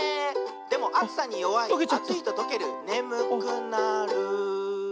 「でもあつさによわいあついととけるねむくなる」